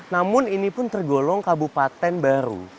namun ini pun tergolong kabupaten baru